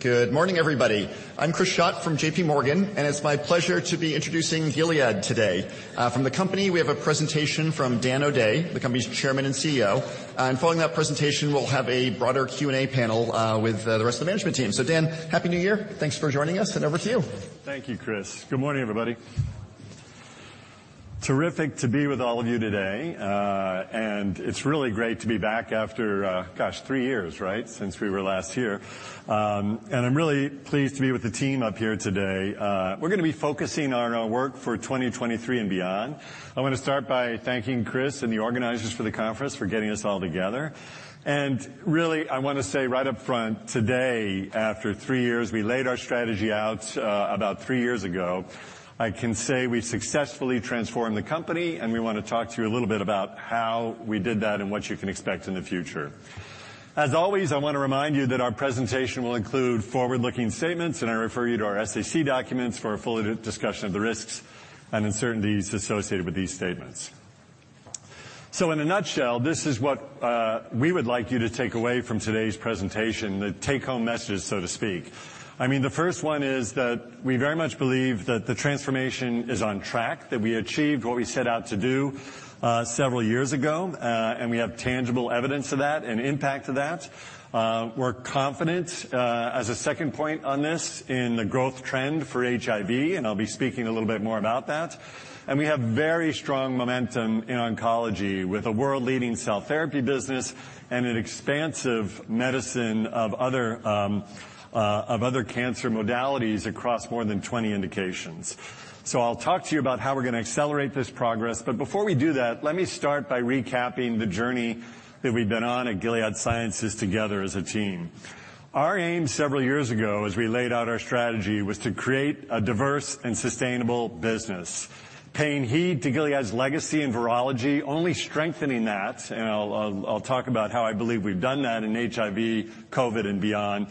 Good morning, everybody. I'm Chris Schott from JPMorgan. It's my pleasure to be introducing Gilead today. From the company, we have a presentation from Daniel O'Day, the company's Chairman and CEO. Following that presentation, we'll have a broader Q&A panel with the rest of the management team. Dan, Happy New Year. Thanks for joining us. Over to you. Thank you, Chris. Good morning, everybody. Terrific to be with all of you today. It's really great to be back after, gosh, three years, right, since we were last here. I'm really pleased to be with the team up here today. We're gonna be focusing on our work for 2023 and beyond. I wanna start by thanking Chris and the organizers for the conference for getting us all together. Really, I wanna say right up front, today, after three years, we laid our strategy out, about three years ago. I can say we've successfully transformed the company, and we wanna talk to you a little bit about how we did that and what you can expect in the future. As always, I wanna remind you that our presentation will include forward-looking statements, and I refer you to our SEC documents for a full discussion of the risks and uncertainties associated with these statements. In a nutshell, this is what we would like you to take away from today's presentation, the take-home message, so to speak. I mean, the first one is that we very much believe that the transformation is on track, that we achieved what we set out to do several years ago, and we have tangible evidence of that and impact of that. We're confident as a second point on this, in the growth trend for HIV, and I'll be speaking a little bit more about that. We have very strong momentum in oncology, with a world-leading cell therapy business and an expansive medicine of other cancer modalities across more than 20 indications. I'll talk to you about how we're gonna accelerate this progress. Before we do that, let me start by recapping the journey that we've been on at Gilead Sciences together as a team. Our aim several years ago, as we laid out our strategy, was to create a diverse and sustainable business, paying heed to Gilead's legacy in virology, only strengthening that, and I'll talk about how I believe we've done that in HIV, COVID, and beyond.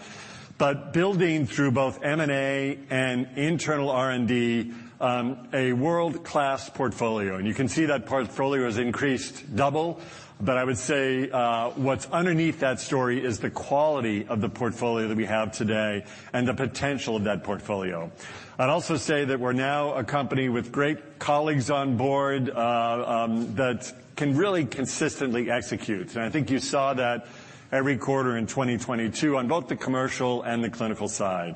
Building through both M&A and internal R&D, a world-class portfolio. You can see that portfolio has increased double, but I would say, what's underneath that story is the quality of the portfolio that we have today and the potential of that portfolio. I'd also say that we're now a company with great colleagues on board, that can really consistently execute. I think you saw that every quarter in 2022 on both the commercial and the clinical side.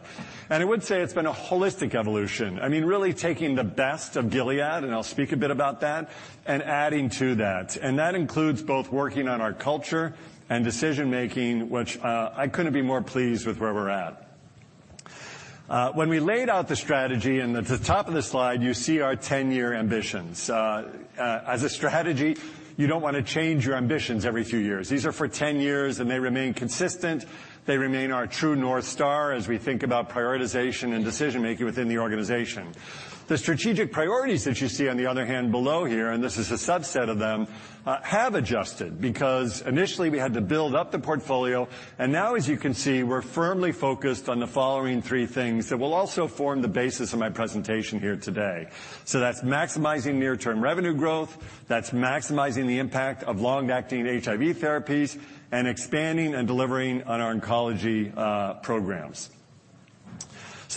I would say it's been a holistic evolution, I mean, really taking the best of Gilead, and I'll speak a bit about that, and adding to that. That includes both working on our culture and decision-making, which, I couldn't be more pleased with where we're at. When we laid out the strategy, and at the top of the slide, you see our 10-year ambitions. As a strategy, you don't wanna change your ambitions every few years. These are for 10 years, and they remain consistent. They remain our true North Star as we think about prioritization and decision-making within the organization. The strategic priorities that you see on the other hand below here, and this is a subset of them, have adjusted because initially we had to build up the portfolio, and now as you can see, we're firmly focused on the following three things that will also form the basis of my presentation here today. That's maximizing near-term revenue growth, that's maximizing the impact of long-acting HIV therapies, and expanding and delivering on our oncology programs.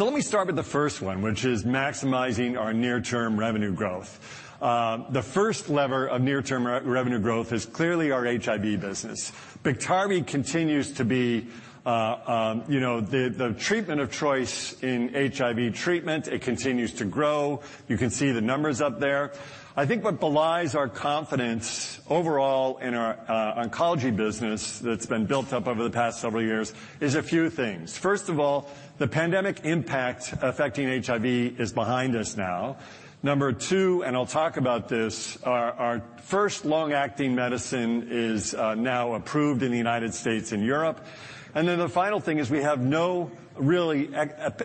Let me start with the first one, which is maximizing our near-term revenue growth. The first lever of near-term revenue growth is clearly our HIV business. Biktarvy continues to be, you know, the treatment of choice in HIV treatment. It continues to grow. You can see the numbers up there. I think what belies our confidence overall in our oncology business that's been built up over the past several years is a few things. First of all, the pandemic impact affecting HIV is behind us now. Number two, and I'll talk about this, our first long-acting medicine is now approved in the United States and Europe. The final thing is we have no really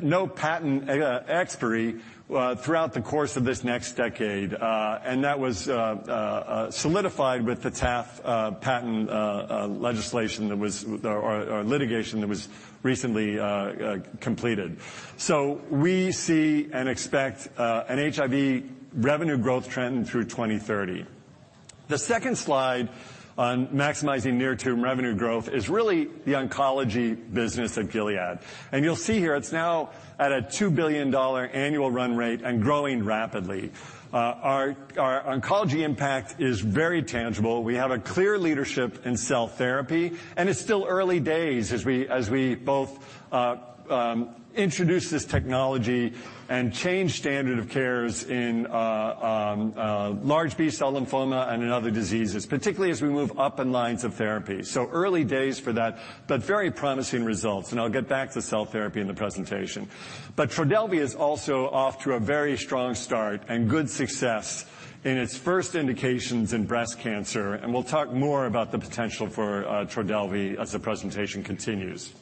no patent expiry throughout the course of this next decade. That was solidified with the TAF patent litigation that was recently completed. We see and expect an HIV revenue growth trend through 2030. The second slide on maximizing near-term revenue growth is really the oncology business at Gilead. You'll see here it's now at a $2 billion annual run rate and growing rapidly. Our oncology impact is very tangible. We have a clear leadership in cell therapy, and it's still early days as we both introduce this technology and change standard of cares in large B-cell lymphoma and in other diseases, particularly as we move up in lines of therapy. Early days for that, but very promising results. I'll get back to cell therapy in the presentation. Trodelvy is also off to a very strong start and good success in its first indications in breast cancer, and we'll talk more about the potential for Trodelvy as the presentation continues.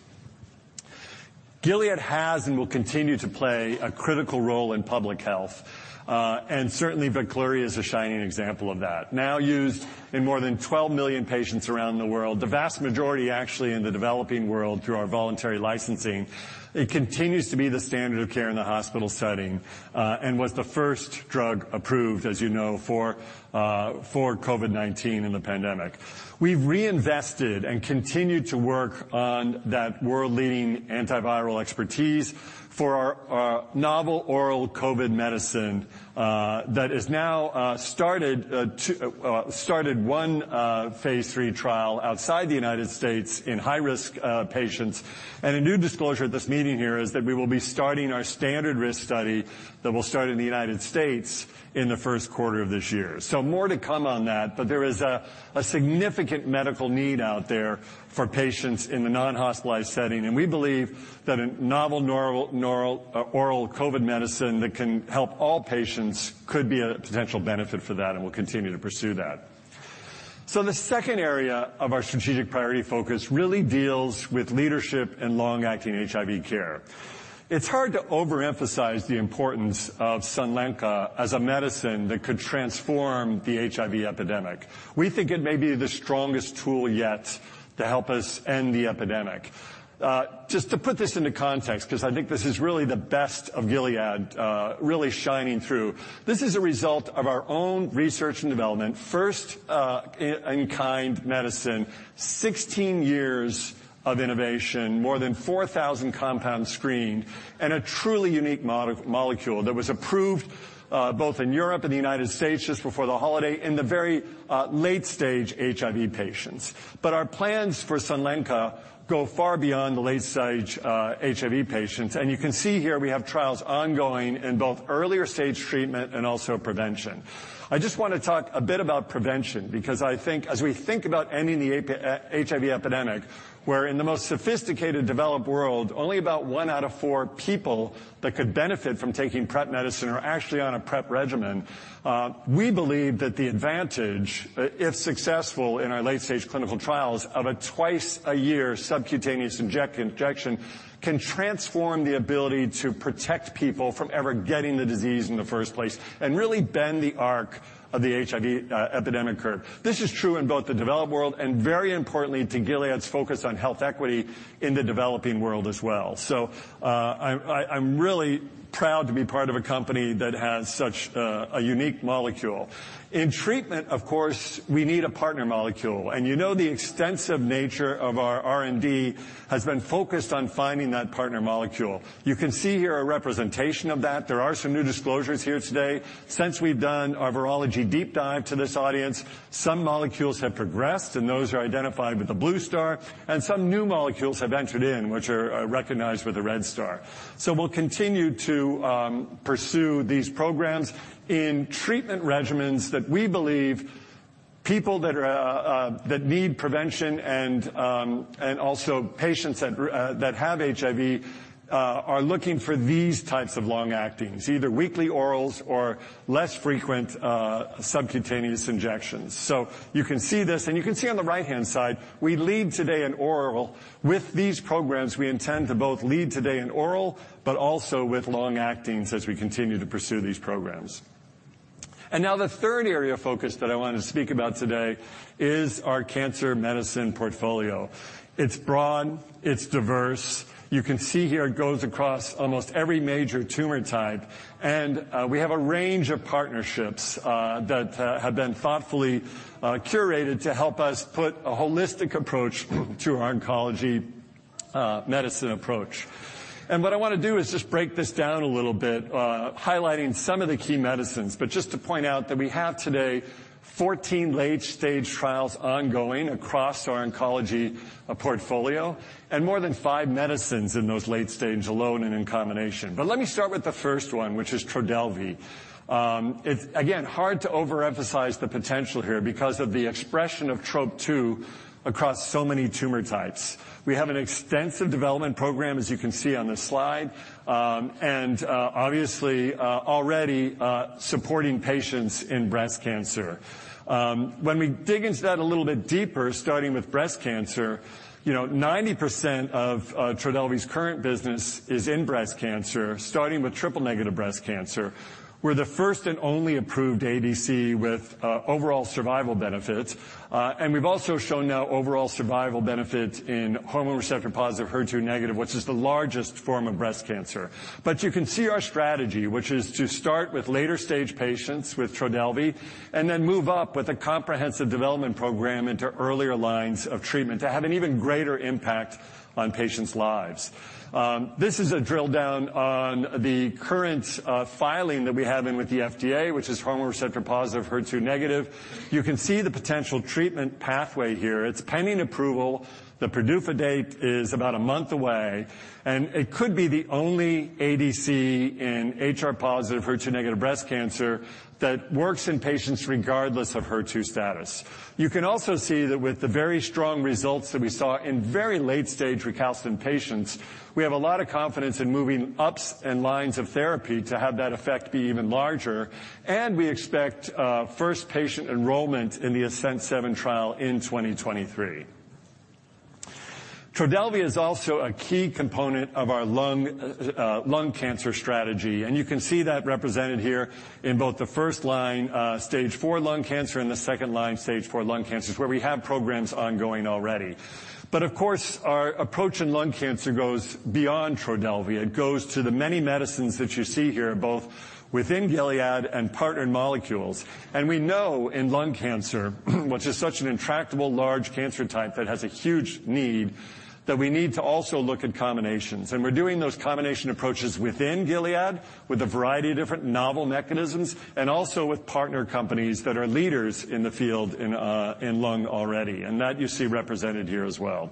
Gilead has and will continue to play a critical role in public health. Certainly Veklury is a shining example of that. Now used in more than 12 million patients around the world, the vast majority actually in the developing world through our voluntary licensing. It continues to be the standard of care in the hospital setting, and was the first drug approved, as you know, for COVID-19 in the pandemic. We've reinvested and continue to work on that world-leading antiviral expertise for our novel oral COVID medicine that is now started one phase III trial outside the United States in high-risk patients. A new disclosure at this meeting here is that we will be starting our standard risk study that will start in the United States in the first quarter of this year. More to come on that, but there is a significant medical need out there for patients in the non-hospitalized setting, and we believe that a novel oral COVID medicine that can help all patients could be a potential benefit for that, and we'll continue to pursue that. The second area of our strategic priority focus really deals with leadership in long-acting HIV care. It's hard to overemphasize the importance of Sunlenca as a medicine that could transform the HIV epidemic. We think it may be the strongest tool yet to help us end the epidemic. Just to put this into context, 'cause I think this is really the best of Gilead, really shining through. This is a result of our own research and development, first, in kind medicine, 16 years of innovation, more than 4,000 compounds screened, and a truly unique molecule that was approved, both in Europe and the United States just before the holiday in the very late stage HIV patients. Our plans for Sunlenca go far beyond the late stage HIV patients, and you can see here we have trials ongoing in both earlier stage treatment and also prevention. I just wanna talk a bit about prevention because I think as we think about ending the HIV epidemic, where in the most sophisticated developed world, only about one out of four people that could benefit from taking PrEP medicine are actually on a PrEP regimen. We believe that the advantage, if successful in our late-stage clinical trials of a twice-a-year subcutaneous injection, can transform the ability to protect people from ever getting the disease in the first place and really bend the arc of the HIV epidemic curve. This is true in both the developed world and very importantly to Gilead's focus on health equity in the developing world as well. I'm really proud to be part of a company that has such a unique molecule. In treatment, of course, we need a partner molecule, and you know the extensive nature of our R&D has been focused on finding that partner molecule. You can see here a representation of that. There are some new disclosures here today. Since we've done our virology deep dive to this audience, some molecules have progressed, and those are identified with the blue star, and some new molecules have entered in, which are recognized with a red star. We'll continue to pursue these programs in treatment regimens that we believe people that are that need prevention and also patients that have HIV are looking for these types of long acting, so either weekly orals or less frequent subcutaneous injections. You can see this, and you can see on the right-hand side, we lead today in oral. With these programs, we intend to both lead today in oral, but also with long actings as we continue to pursue these programs. Now the third area of focus that I wanted to speak about today is our cancer medicine portfolio. It's broad, it's diverse. You can see here it goes across almost every major tumor type, and we have a range of partnerships that have been thoughtfully curated to help us put a holistic approach to our oncology medicine approach. What I wanna do is just break this down a little bit, highlighting some of the key medicines. Just to point out that we have today 14 late-stage trials ongoing across our oncology portfolio and more than 5 medicines in those late stage alone and in combination. Let me start with the first one, which is Trodelvy. It's again, hard to overemphasize the potential here because of the expression of Trop-2 across so many tumor types. We have an extensive development program, as you can see on this slide. Obviously, already supporting patients in breast cancer. When we dig into that a little bit deeper, starting with breast cancer, you know, 90% of Trodelvy's current business is in breast cancer, starting with triple negative breast cancer. We're the first and only approved ADC with overall survival benefits, and we've also shown now overall survival benefit in hormone receptor-positive HER2 negative, which is the largest form of breast cancer. You can see our strategy, which is to start with later stage patients with Trodelvy and then move up with a comprehensive development program into earlier lines of treatment to have an even greater impact on patients' lives. This is a drill down on the current filing that we have in with the FDA, which is hormone receptor-positive HER2 negative. You can see the potential treatment pathway here. It's pending approval. The PDUFA date is about a month away, and it could be the only ADC in HR-positive, HER2 negative breast cancer that works in patients regardless of HER2 status. You can also see that with the very strong results that we saw in very late-stage recalcitrant patients, we have a lot of confidence in moving ups and lines of therapy to have that effect be even larger, and we expect first patient enrollment in the ASCENT-07 trial in 2023. Trodelvy is also a key component of our lung cancer strategy, and you can see that represented here in both the first-line stage 4 lung cancer and the second-line stage 4 lung cancers where we have programs ongoing already. Of course, our approach in lung cancer goes beyond Trodelvy. It goes to the many medicines that you see here, both within Gilead and partnered molecules. We know in lung cancer, which is such an intractable large cancer type that has a huge need, that we need to also look at combinations. We're doing those combination approaches within Gilead with a variety of different novel mechanisms, and also with partner companies that are leaders in the field in lung already. That you see represented here as well.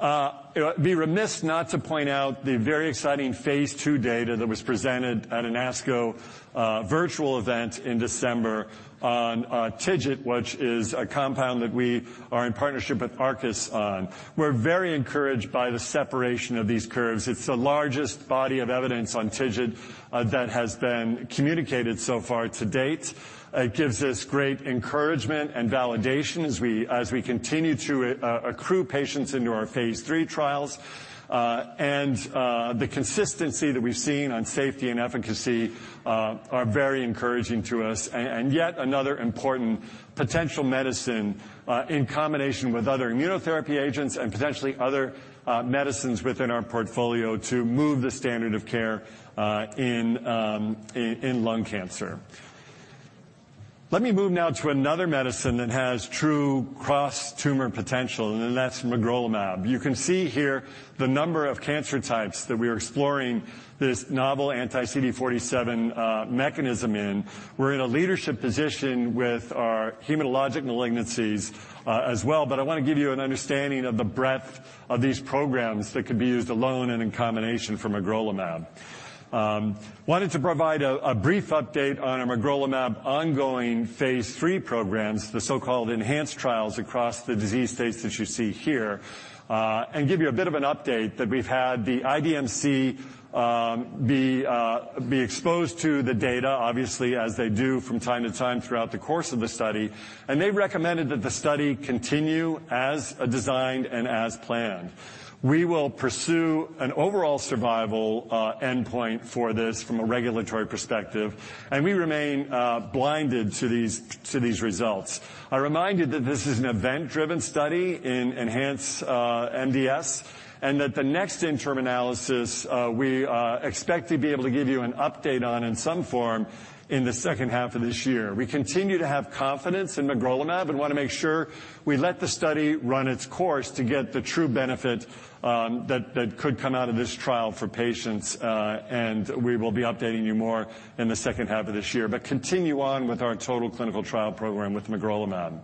It would be remiss not to point out the very exciting phase II data that was presented at an ASCO virtual event in December on TIGIT, which is a compound that we are in partnership with Arcus on. We're very encouraged by the separation of these curves. It's the largest body of evidence on TIGIT that has been communicated so far to date. It gives us great encouragement and validation as we continue to accrue patients into our phase III trials. The consistency that we've seen on safety and efficacy are very encouraging to us. And yet another important potential medicine, in combination with other immunotherapy agents and potentially other medicines within our portfolio to move the standard of care, in lung cancer. Let me move now to another medicine that has true cross-tumor potential, and that's magrolimab. You can see here the number of cancer types that we are exploring this novel anti-CD47 mechanism in. We're in a leadership position with our hematologic malignancies as well, but I wanna give you an understanding of the breadth of these programs that could be used alone and in combination for magrolimab. wanted to provide a brief update on our magrolimab ongoing phase III programs, the so-called ENHANCE trials across the disease states that you see here, and give you a bit of an update that we've had the IDMC exposed to the data, obviously, as they do from time to time throughout the course of the study. They've recommended that the study continue as designed and as planned. We will pursue an overall survival endpoint for this from a regulatory perspective, and we remain blinded to these results. A reminder that this is an event-driven study in ENHANCE MDS, and that the next interim analysis, we are expect to be able to give you an update on in some form in the second half of this year. We continue to have confidence in magrolimab and wanna make sure we let the study run its course to get the true benefit that could come out of this trial for patients. We will be updating you more in the second half of this year. Continue on with our total clinical trial program with magrolimab.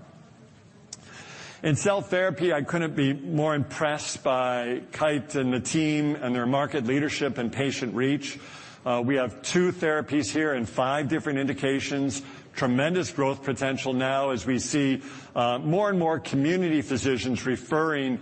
In cell therapy, I couldn't be more impressed by Kite and the team and their market leadership and patient reach. We have two therapies here and five different indications. Tremendous growth potential now as we see more and more community physicians referring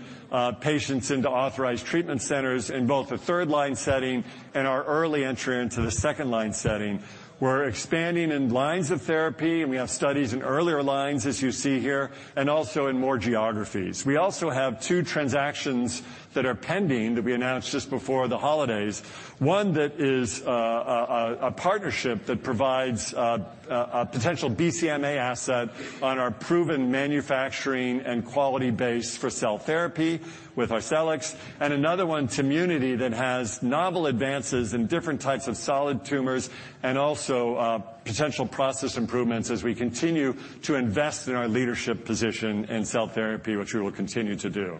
patients into authorized treatment centers in both the 3rd-line setting and our early entry into the 2nd-line setting. We're expanding in lines of therapy, and we have studies in earlier lines as you see here, and also in more geographies. We also have two transactions that are pending that we announced just before the holidays. One that is a partnership that provides a potential BCMA asset on our proven manufacturing and quality base for cell therapy with Arcellx. Another one to Munity that has novel advances in different types of solid tumors and also potential process improvements as we continue to invest in our leadership position in cell therapy, which we will continue to do.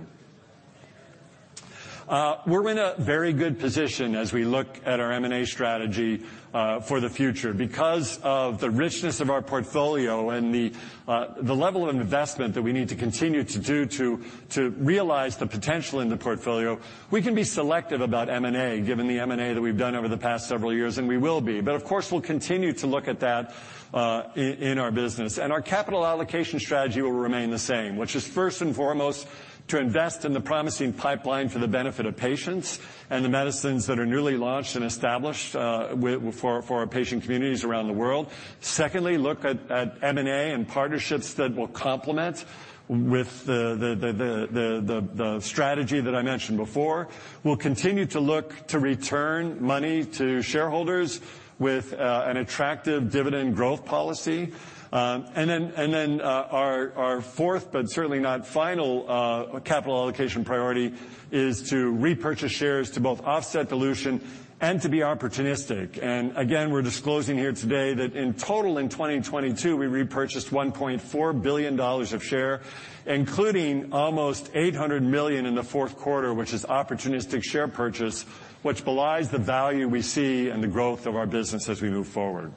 We're in a very good position as we look at our M&A strategy for the future. Because of the richness of our portfolio and the level of investment that we need to continue to do to realize the potential in the portfolio, we can be selective about M&A, given the M&A that we've done over the past several years, and we will be. Of course, we'll continue to look at that in our business. Our capital allocation strategy will remain the same, which is first and foremost to invest in the promising pipeline for the benefit of patients and the medicines that are newly launched and established for our patient communities around the world. Secondly, look at M&A and partnerships that will complement with the strategy that I mentioned before. We'll continue to look to return money to shareholders with an attractive dividend growth policy. Then, our fourth but certainly not final, capital allocation priority is to repurchase shares to both offset dilution and to be opportunistic. Again, we're disclosing here today that in total in 2022, we repurchased $1.4 billion of share, including almost $800 million in the Q4, which is opportunistic share purchase, which belies the value we see and the growth of our business as we move forward.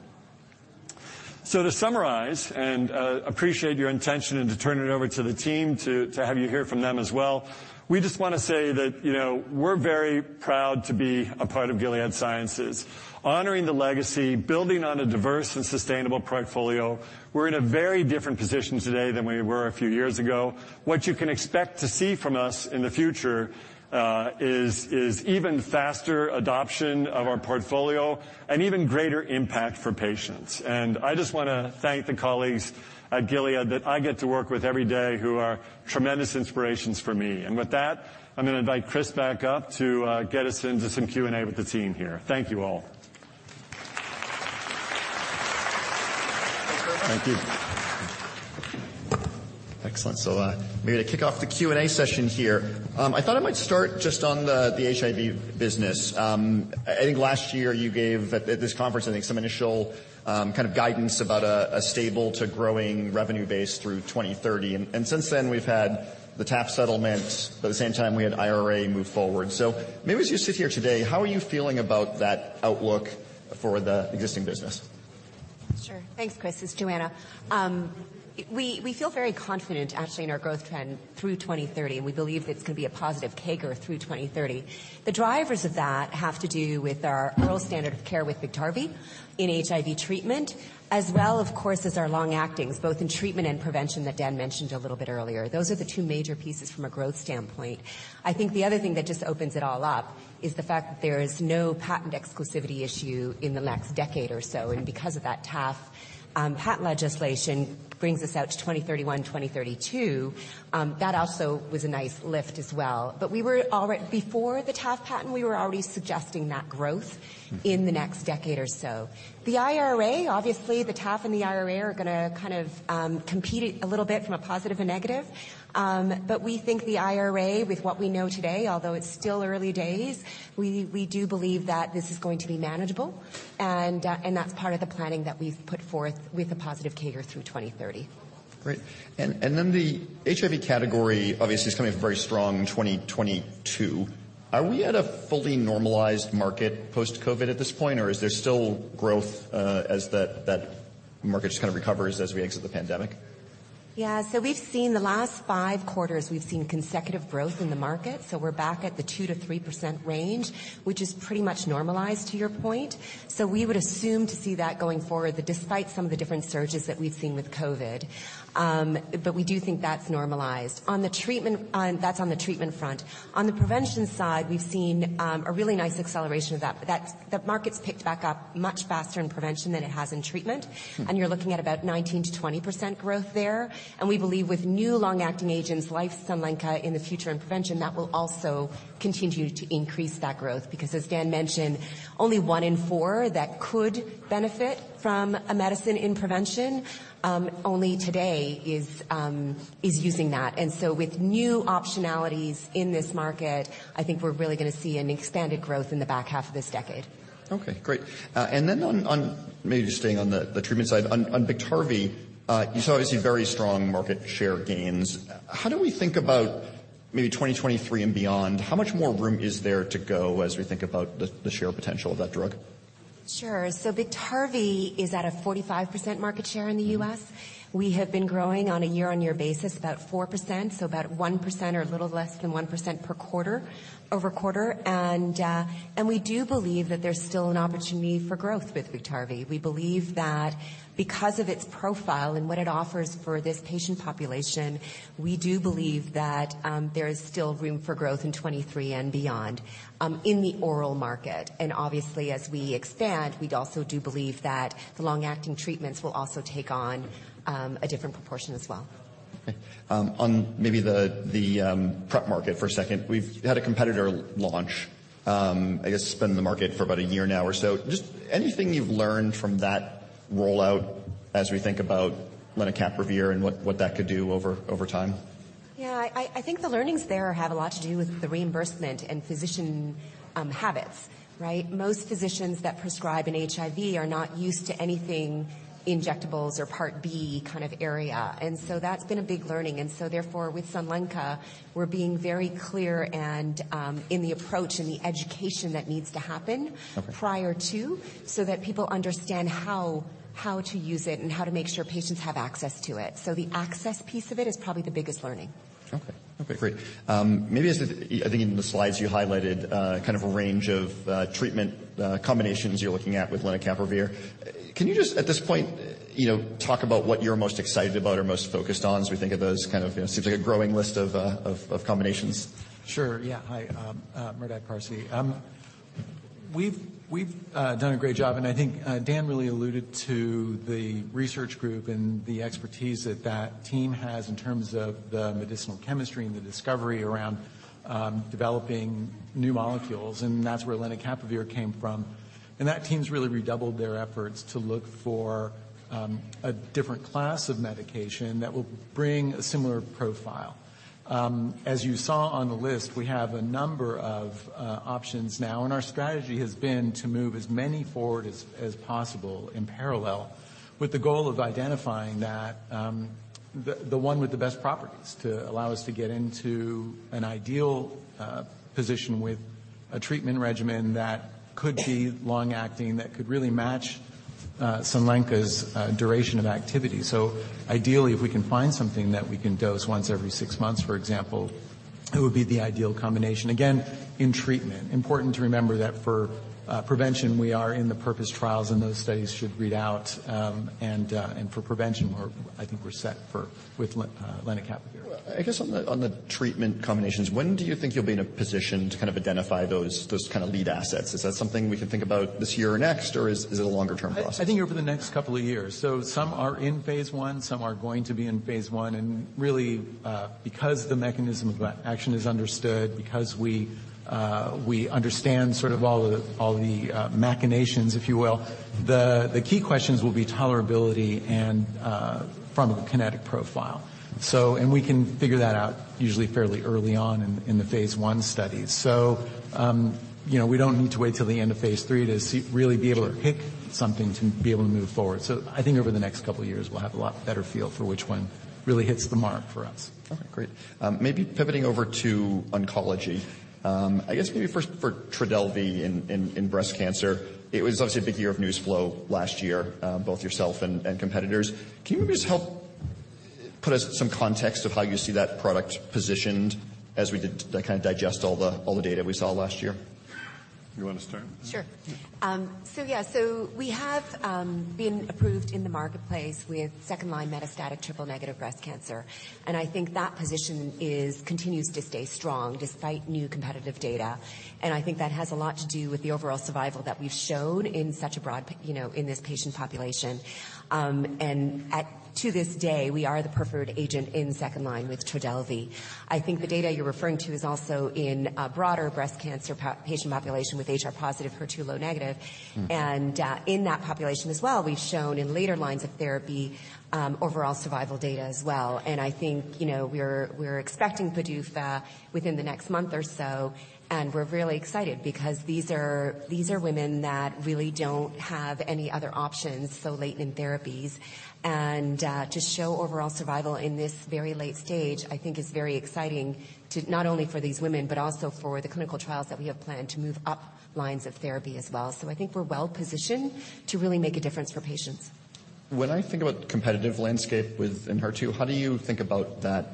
To summarize, and appreciate your intention and to turn it over to the team to have you hear from them as well. We just wanna say that, you know, we're very proud to be a part of Gilead Sciences, honoring the legacy, building on a diverse and sustainable portfolio. We're in a very different position today than we were a few years ago. What you can expect to see from us in the future, is even faster adoption of our portfolio and even greater impact for patients. I just wanna thank the colleagues. At Gilead that I get to work with every day who are tremendous inspirations for me. With that, I'm gonna invite Chris back up to get us into some Q&A with the team here. Thank you all. Thanks very much. Excellent. Maybe to kick off the Q&A session here, I thought I might start just on the HIV business. I think last year you gave at this conference, I think some initial, kind of guidance about a stable to growing revenue base through 2030. Since then, we've had the TAF settlement, but at the same time, we had IRA move forward. Maybe as you sit here today, how are you feeling about that outlook for the existing business? Sure. Thanks, Chris. It's Johanna. We feel very confident actually in our growth trend through 2030, and we believe it's gonna be a positive CAGR through 2030. The drivers of that have to do with our oral standard of care with Biktarvy in HIV treatment, as well, of course, as our long-actings, both in treatment and prevention that Dan mentioned a little bit earlier. Those are the two major pieces from a growth standpoint. I think the other thing that just opens it all up is the fact that there is no patent exclusivity issue in the next decade or so, and because of that TAF patent legislation brings us out to 2031, 2032, that also was a nice lift as well. Before the TAF patent, we were already suggesting that growth Mm-hmm. in the next decade or so. The IRA, obviously, the TAF and the IRA are gonna kind of compete a little bit from a positive and negative. We think the IRA, with what we know today, although it's still early days, we do believe that this is going to be manageable and that's part of the planning that we've put forth with a positive CAGR through 2030. Great. Then the HIV category obviously is coming off a very strong 2022. Are we at a fully normalized market post-COVID at this point, or is there still growth, as that market just kind of recovers as we exit the pandemic? Yeah. The last 5 quarters, we've seen consecutive growth in the market, so we're back at the 2%-3% range, which is pretty much normalized to your point. We would assume to see that going forward, that despite some of the different surges that we've seen with COVID, but we do think that's normalized. That's on the treatment front. On the prevention side, we've seen a really nice acceleration of that. The market's picked back up much faster in prevention than it has in treatment. Hmm. You're looking at about 19% to 20% growth there, and we believe with new long-acting agents like lenacapavir in the future in prevention, that will also continue to increase that growth because as Dan mentioned, only one in four that could benefit from a medicine in prevention, only today is using that. With new optionalities in this market, I think we're really gonna see an expanded growth in the back half of this decade. Okay. Great. Then maybe just staying on the treatment side, on Biktarvy, you saw obviously very strong market share gains. How do we think about maybe 2023 and beyond? How much more room is there to go as we think about the share potential of that drug? Sure. Biktarvy is at a 45% market share in the U.S. Mm-hmm. We have been growing on a year-on-year basis about 4%, so about 1% or a little less than 1% per quarter-over-quarter. We do believe that there's still an opportunity for growth with Biktarvy. We believe that because of its profile and what it offers for this patient population, we do believe that there is still room for growth in 2023 and beyond in the oral market. Obviously, as we expand, we'd also do believe that the long-acting treatments will also take on a different proportion as well. On maybe the PrEP market for a second, we've had a competitor launch, I guess it's been in the market for about a year now or so. Just anything you've learned from that rollout as we think about lenacapavir and what that could do over time? Yeah. I think the learnings there have a lot to do with the reimbursement and physician habits, right? Most physicians that prescribe in HIV are not used to anything injectables or Part B kind of area. That's been a big learning. Therefore, with Lenacapavir, we're being very clear and in the approach and the education that needs to happen... Okay. prior to, so that people understand how to use it and how to make sure patients have access to it. The access piece of it is probably the biggest learning. Okay, great. maybe as I think in the slides you highlighted, kind of a range of treatment combinations you're looking at with lenacapavir. Can you just, at this point, you know, talk about what you're most excited about or most focused on as we think of those kind of, you know, seems like a growing list of combinations? Sure, yeah. Hi, Merdad Parsey. We've done a great job, and I think Dan really alluded to the research group and the expertise that team has in terms of the medicinal chemistry and the discovery around developing new molecules, and that's where lenacapavir came from. That team's really redoubled their efforts to look for a different class of medication that will bring a similar profile. As you saw on the list, we have a number of options now, and our strategy has been to move as many forward as possible in parallel, with the goal of identifying the one with the best properties to allow us to get into an ideal position with a treatment regimen that could be long-acting, that could really match Sunlenca duration of activity. Ideally, if we can find something that we can dose once every six months, for example, it would be the ideal combination. Again, in treatment. Important to remember that for prevention, we are in the PURPOSE trials, and those studies should read out. And for prevention, we're, I think we're set for with lenacapavir. I guess on the treatment combinations, when do you think you'll be in a position to kind of identify those kind of lead assets? Is that something we can think about this year or next, or is it a longer-term process? I think over the next couple of years. Some are in phase I, some are going to be in phase I, and really, because the mechanism of action is understood, because we understand sort of all the, all the, machinations, if you will, the key questions will be tolerability and, pharmacokinetic profile. We can figure that out usually fairly early on in the phase I studies. You know, we don't need to wait till the end of phase III to see really be able to pick something to be able to move forward. I think over the next couple of years, we'll have a lot better feel for which one really hits the mark for us. Okay, great. Maybe pivoting over to oncology. I guess maybe first for Trodelvy in breast cancer. It was obviously a big year of news flow last year, both yourself and competitors. Can you maybe just help put us some context of how you see that product positioned as we kind of digest all the data we saw last year? You wanna start? Sure. we have, been approved in the marketplace with second-line metastatic triple-negative breast cancer, and I think that position is continues to stay strong despite new competitive data. I think that has a lot to do with the overall survival that we've shown in such a broad, you know, in this patient population. at, to this day, we are the preferred agent in second line with Trodelvy. I think the data you're referring to is also in a broader breast cancer patient population with HR-positive, HER2 low negative. Mm-hmm. In that population as well, we've shown in later lines of therapy, overall survival data as well. I think, you know, we're expecting PDUFA within the next month or so, and we're really excited because these are women that really don't have any other options so late in therapies. To show overall survival in this very late stage, I think is very exciting to not only for these women but also for the clinical trials that we have planned to move up lines of therapy as well. I think we're well positioned to really make a difference for patients. When I think about competitive landscape within HER2, how do you think about that,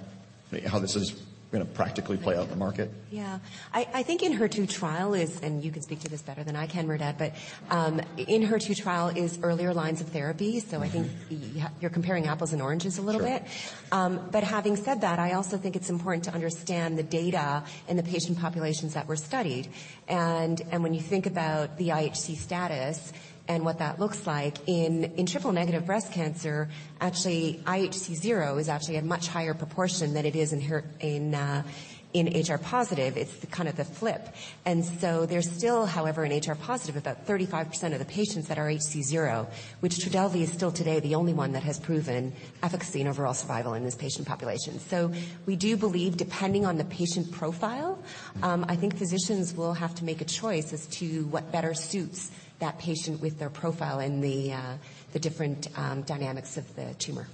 how this is gonna practically play out in the market? Yeah. I think in HER2 trial is, and you can speak to this better than I can, Meredith, but, in HER2 trial is earlier lines of therapy. Mm-hmm. I think you're comparing apples and oranges a little bit. Sure. Having said that, I also think it's important to understand the data and the patient populations that were studied. When you think about the IHC status and what that looks like, in triple-negative breast cancer, actually IHC 0 is actually a much higher proportion than it is in HR-positive. It's kind of the flip. There's still, however, in HR-positive, about 35% of the patients that are IHC 0, which Trodelvy is still today the only one that has proven efficacy and overall survival in this patient population. We do believe, depending on the patient profile- Mm-hmm. I think physicians will have to make a choice as to what better suits that patient with their profile and the different dynamics of the tumor.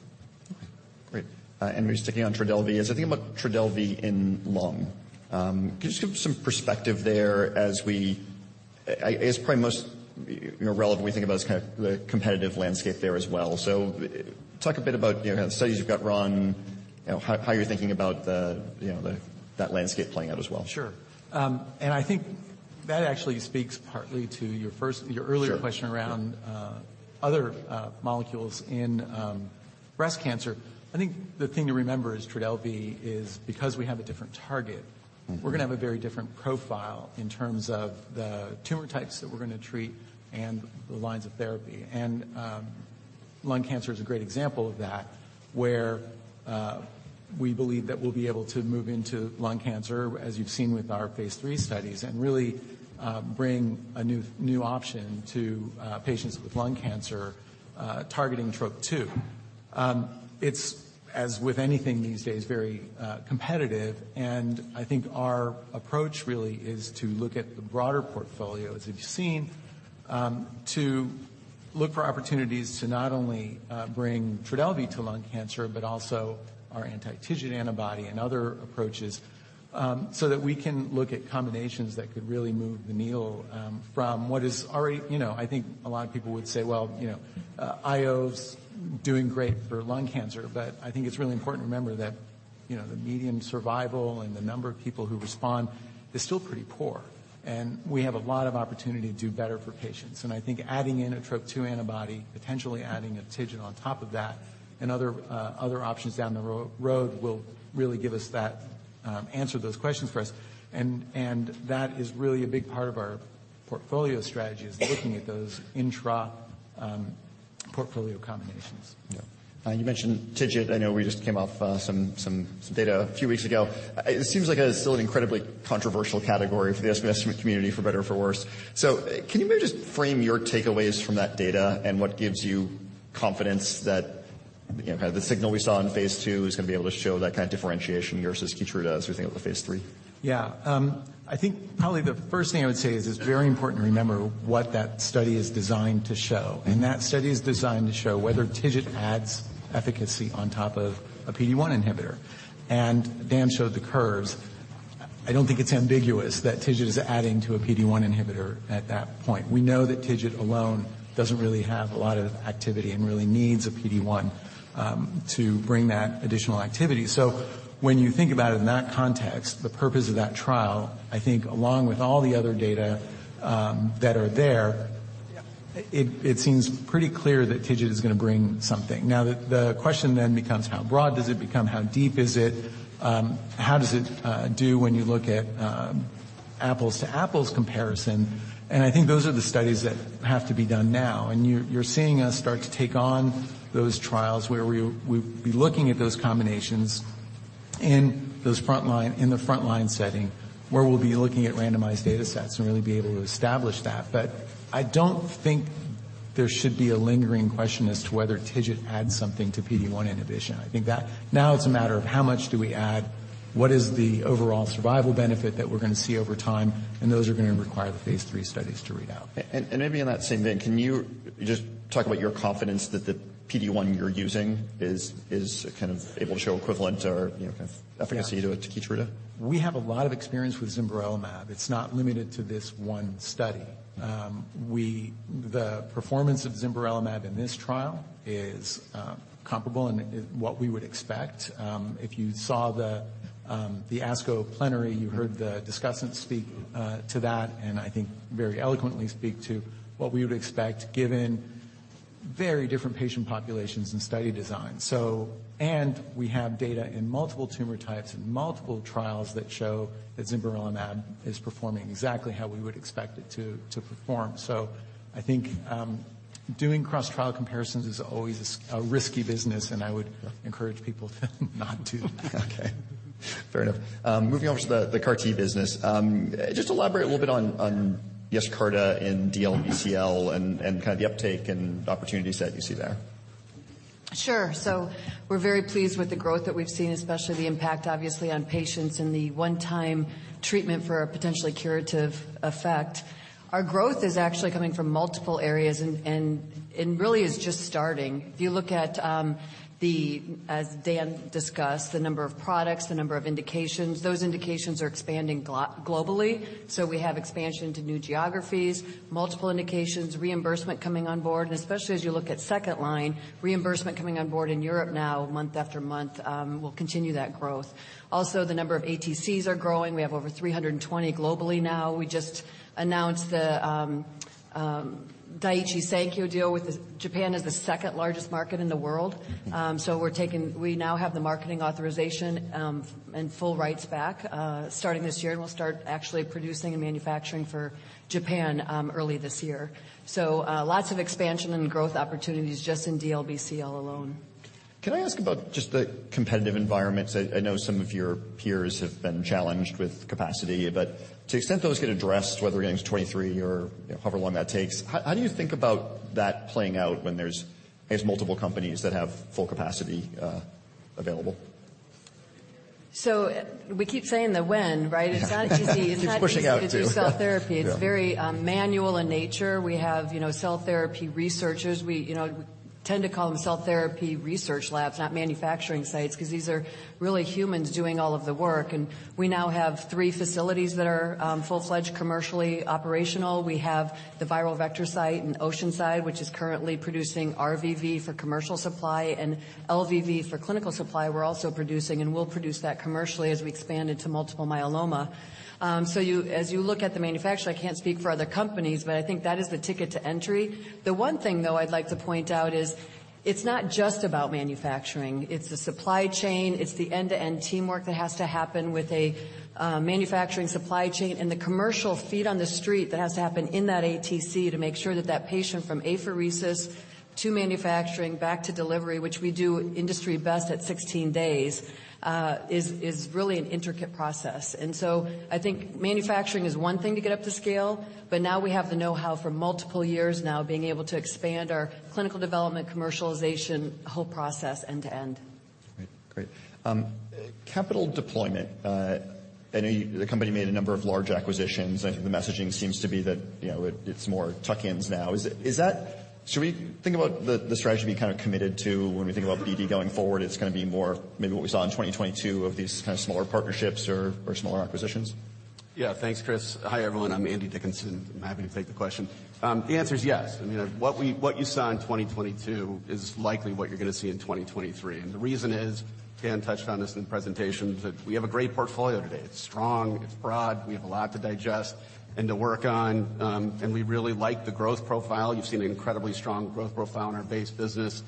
Okay. Great. We're sticking on Trodelvy. As I think about Trodelvy in lung, could you just give some perspective there as I guess probably most, you know, relevant when we think about is kind of the competitive landscape there as well? Talk a bit about, you know, how the studies you've got wrong, you know, how you're thinking about that landscape playing out as well. Sure. I think that actually speaks partly to your earlier question. Sure. Around other molecules in breast cancer. I think the thing to remember is Trodelvy is because we have a different target. Mm-hmm. we're gonna have a very different profile in terms of the tumor types that we're gonna treat and the lines of therapy. Lung cancer is a great example of that, where we believe that we'll be able to move into lung cancer, as you've seen with our phase III studies, and really bring a new option to patients with lung cancer, targeting Trop-2. It's, as with anything these days, very competitive, and I think our approach really is to look at the broader portfolio, as you've seen, to look for opportunities to not only bring Trodelvy to lung cancer, but also our anti-TIGIT antibody and other approaches, so that we can look at combinations that could really move the needle, from what is already, you know, I think a lot of people would say, "Well, you know, IO's doing great for lung cancer," but I think it's really important to remember that, you know, the median survival and the number of people who respond is still pretty poor, and we have a lot of opportunity to do better for patients. I think adding in a Trop-2 antibody, potentially adding a TIGIT on top of that and other options down the road will really give us that answer those questions for us. That is really a big part of our portfolio strategy, is looking at those intra-portfolio combinations. Yeah. You mentioned TIGIT. I know we just came off, some data a few weeks ago. It seems like it is still an incredibly controversial category for the investment community, for better or for worse. Can you maybe just frame your takeaways from that data and what gives you confidence that, you know, kind of the signal we saw in phase II is gonna be able to show that kind of differentiation versus Keytruda as we think about the phase III? Yeah. I think probably the first thing I would say is it's very important to remember what that study is designed to show, and that study is designed to show whether TIGIT adds efficacy on top of a PD-1 inhibitor. Dan showed the curves. I don't think it's ambiguous that TIGIT is adding to a PD-1 inhibitor at that point. We know that TIGIT alone doesn't really have a lot of activity and really needs a PD-1, to bring that additional activity. When you think about it in that context, the purpose of that trial, I think along with all the other data, that are there- Yeah... it seems pretty clear that TIGIT is gonna bring something. The question then becomes how broad does it become? How deep is it? How does it do when you look at apples to apples comparison? I think those are the studies that have to be done now. You're seeing us start to take on those trials where we'll be looking at those combinations in the front line setting, where we'll be looking at randomized data sets and really be able to establish that. I don't think there should be a lingering question as to whether TIGIT adds something to PD-1 inhibition. I think that now it's a matter of how much do we add? What is the overall survival benefit that we're gonna see over time? Those are gonna require the phase III studies to read out. Maybe on that same vein, can you just talk about your confidence that the PD-1 you're using is kind of able to show equivalent or, you know, kind of efficacy to a Keytruda? We have a lot of experience with Zimberelimab. It's not limited to this one study. The performance of Zimberelimab in this trial is comparable and it is what we would expect. If you saw the ASCO plenary, you heard the discussants speak to that, and I think very eloquently speak to what we would expect given very different patient populations and study designs. And we have data in multiple tumor types and multiple trials that show that Zimberelimab is performing exactly how we would expect it to perform. I think doing cross-trial comparisons is always a risky business, and I would encourage people to not do that. Okay. Fair enough. Moving on to the CAR T business, just elaborate a little bit on Yescarta and DLBCL and kind of the uptake and the opportunities that you see there? Sure. We're very pleased with the growth that we've seen, especially the impact obviously on patients and the one-time treatment for a potentially curative effect. Our growth is actually coming from multiple areas and really is just starting. If you look at the, as Dan discussed, the number of products, the number of indications, those indications are expanding globally. We have expansion to new geographies, multiple indications, reimbursement coming on board, and especially as you look at second line, reimbursement coming on board in Europe now month after month, will continue that growth. Also, the number of ATCs are growing. We have over 320 globally now. We just announced the Daiichi Sankyo deal with this. Japan is the second largest market in the world. We're taking... We now have the marketing authorization, and full rights back, starting this year. We'll start actually producing and manufacturing for Japan, early this year. Lots of expansion and growth opportunities just in DLBCL alone. Can I ask about just the competitive environment? I know some of your peers have been challenged with capacity, to the extent those get addressed, whether we're getting to 2023 or, you know, however long that takes, how do you think about that playing out when there's, I guess, multiple companies that have full capacity available? We keep saying the when, right? Yeah. It's not easy. Keeps pushing out too. It's a cell therapy. Yeah. It's very manual in nature. We have, you know, cell therapy researchers. We, you know, tend to call them cell therapy research labs, not manufacturing sites, ’cause these are really humans doing all of the work. We now have three facilities that are full-fledged commercially operational. We have the viral vector site in Oceanside, which is currently producing RVV for commercial supply and LVV for clinical supply. We're also producing and we'll produce that commercially as we expand into multiple myeloma. As you look at the manufacturing, I can't speak for other companies, but I think that is the ticket to entry. The one thing, though, I'd like to point out is it's not just about manufacturing. It's the supply chain. It's the end-to-end teamwork that has to happen with a manufacturing supply chain and the commercial feet on the street that has to happen in that ATC to make sure that that patient from apheresis to manufacturing back to delivery, which we do industry best at 16 days, is really an intricate process. I think manufacturing is one thing to get up to scale, but now we have the know-how for multiple years now being able to expand our clinical development commercialization whole process end to end. Great. Great. capital deployment. I know the company made a number of large acquisitions. I think the messaging seems to be that, you know, it's more tuck-ins now. Is that... Should we think about the strategy being kind of committed to when we think about BD going forward, it's gonna be more maybe what we saw in 2022 of these kind of smaller partnerships or smaller acquisitions? Yeah. Thanks, Chris. Hi, everyone. I'm Andy Dickinson. I'm happy to take the question. The answer is yes. I mean, what you saw in 2022 is likely what you're gonna see in 2023. The reason is, Dan touched on this in the presentation, that we have a great portfolio today. It's strong, it's broad, we have a lot to digest and to work on, and we really like the growth profile. You've seen an incredibly strong growth profile in our base business.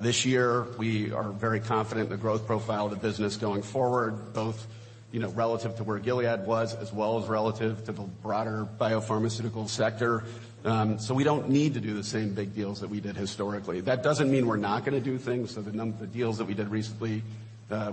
This year, we are very confident in the growth profile of the business going forward, both, you know, relative to where Gilead was, as well as relative to the broader biopharmaceutical sector. We don't need to do the same big deals that we did historically. That doesn't mean we're not gonna do things. The deals that we did recently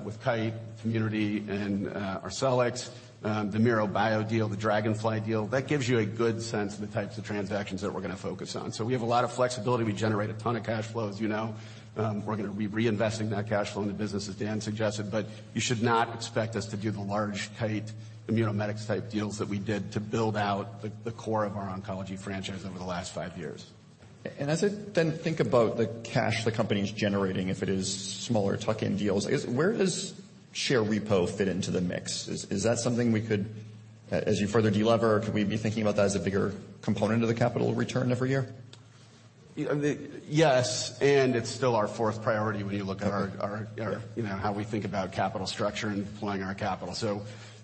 with Kite, Compugen, and Arcellx, the MiroBio deal, the Dragonfly deal, that gives you a good sense of the types of transactions that we're gonna focus on. We have a lot of flexibility. We generate a ton of cash flow, as you know. We're gonna be reinvesting that cash flow in the business, as Dan suggested. You should not expect us to do the large Kite Immunomedics type deals that we did to build out the core of our oncology franchise over the last five years. As I then think about the cash the company's generating, if it is smaller tuck-in deals, I guess where does share repo fit into the mix? As you further de-lever, could we be thinking about that as a bigger component of the capital return every year? I mean, yes, and it's still our fourth priority when you look at our. Okay. Yeah.... our, you know, how we think about capital structure and deploying our capital.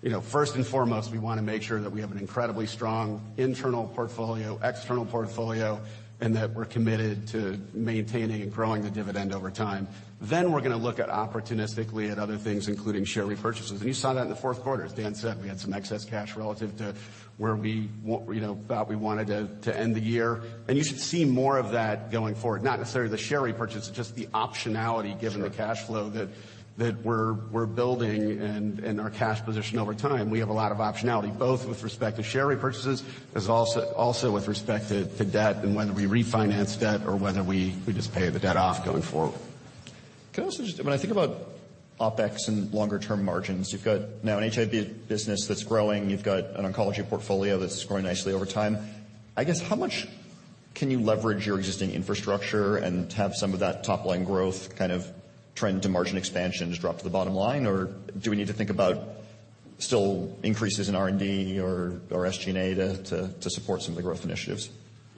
You know, first and foremost, we wanna make sure that we have an incredibly strong internal portfolio, external portfolio, and that we're committed to maintaining and growing the dividend over time. We're gonna look at opportunistically at other things, including share repurchases. You saw that in the Q4. As Dan said, we had some excess cash relative to where we, you know, thought we wanted to end the year. You should see more of that going forward. Not necessarily the share repurchase, just the optionality given- Sure... the cash flow that we're building and our cash position over time. We have a lot of optionality, both with respect to share repurchases, as also with respect to debt and whether we refinance debt or whether we just pay the debt off going forward. Can I also just, when I think about OpEx and longer term margins, you've got now an HIV business that's growing. You've got an oncology portfolio that's growing nicely over time. I guess, how much can you leverage your existing infrastructure and have some of that top line growth kind of trend to margin expansion just drop to the bottom line? Do we need to think about still increases in R&D or SG&A to support some of the growth initiatives?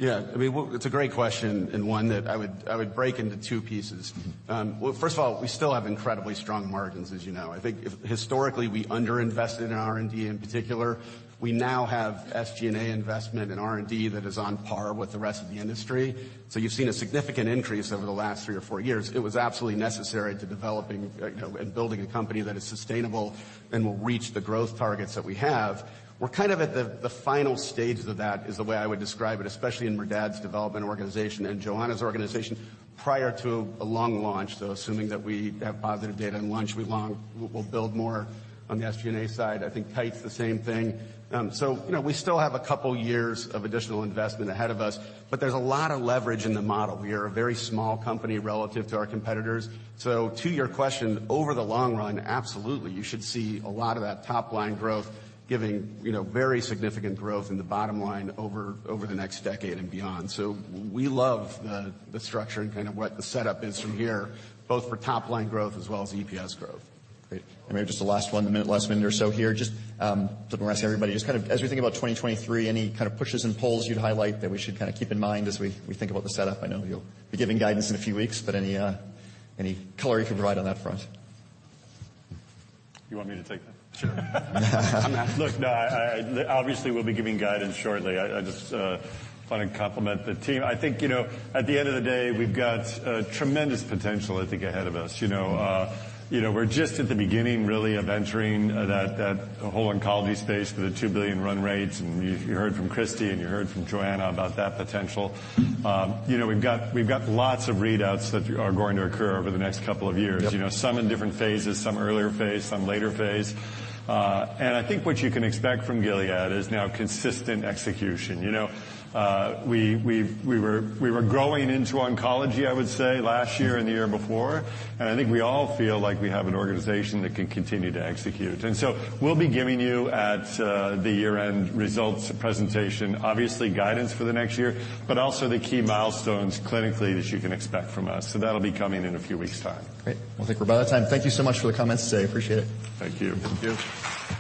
I mean, well, it's a great question, and one that I would break into two pieces. Well, first of all, we still have incredibly strong margins, as you know. I think if historically we underinvested in R&D in particular, we now have SG&A investment in R&D that is on par with the rest of the industry. You've seen a significant increase over the last three or four years. It was absolutely necessary to developing, you know, and building a company that is sustainable and will reach the growth targets that we have. We're kind of at the final stages of that, is the way I would describe it, especially in Merdad's development organization and Johanna's organization prior to a long launch. Assuming that we have positive data and launch, we'll build more on the SG&A side. I think Kite's the same thing. You know, we still have a couple years of additional investment ahead of us, but there's a lot of leverage in the model. We are a very small company relative to our competitors. To your question, over the long run, absolutely, you should see a lot of that top line growth giving, you know, very significant growth in the bottom line over the next decade and beyond. We love the structure and kind of what the setup is from here, both for top line growth as well as EPS growth. Great. Maybe just the last one, the last minute or so here. Just, looking around at everybody, just kind of as we think about 2023, any kind of pushes and pulls you'd highlight that we should kinda keep in mind as we think about the setup? I know you'll be giving guidance in a few weeks, but any color you can provide on that front? You want me to take that? Sure. Look, no, I. Obviously, we'll be giving guidance shortly. I just wanna compliment the team. I think, you know, at the end of the day, we've got tremendous potential, I think, ahead of us. You know, you know, we're just at the beginning really of entering that the whole oncology space with the $2 billion run rates. You heard from Christi and you heard from Johanna about that potential. You know, we've got lots of readouts that are going to occur over the next couple of years. Yep. You know, some in different phases, some earlier phase, some later phase. I think what you can expect from Gilead is now consistent execution. You know, we were growing into oncology, I would say, last year and the year before, and I think we all feel like we have an organization that can continue to execute. We'll be giving you at the year-end results presentation, obviously guidance for the next year, but also the key milestones clinically that you can expect from us. That'll be coming in a few weeks' time. Great. I think we're about out of time. Thank you so much for the comments today. Appreciate it. Thank you. Thank you.